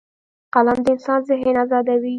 قلم د انسان ذهن ازادوي